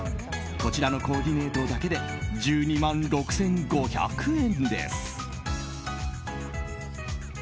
こちらのコーディネートだけで１２万６５００円です。